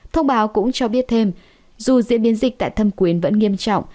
thông báo cũng cho biết thêm dù diễn biến dịch tại thâm quyến vẫn nghiêm trọng